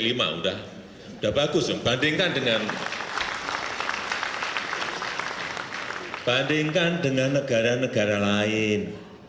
nah sudah bagus bandingkan dengan negara negara lain